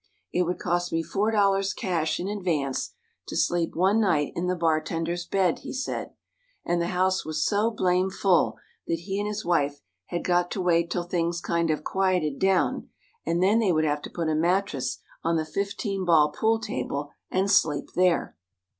It would cost me $4 cash in advance to sleep one night in the bartender's bed, he said, and the house was so blamed full that he and his wife had got to wait till things kind of quieted down, and then they would have to put a mattress on the 15 ball pool table and sleep there.